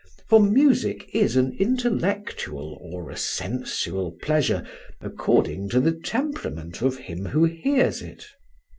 For music is an intellectual or a sensual pleasure according to the temperament of him who hears it.